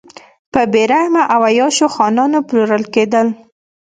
په بې رحمه او عیاشو خانانو پلورل کېدل.